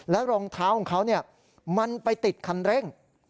รองเท้าของเขามันไปติดคันเร่ง